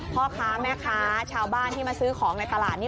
พ่อค้าแม่ค้าชาวบ้านที่มาซื้อของในตลาดนี้